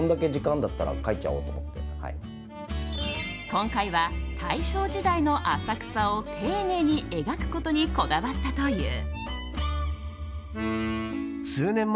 今回は大正時代の浅草を丁寧に描くことにこだわったという。